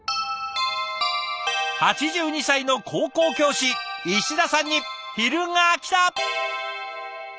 ８２歳の高校教師石田さんに昼がきた。